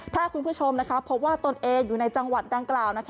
ถ้าคุณผู้ชมพบว่าตนเองอยู่ในจังหวัดดังกล่าว